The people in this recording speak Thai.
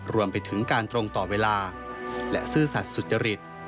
รวมไปถึงการตรงต่อเวลาและซื่อสัตว์สุจริต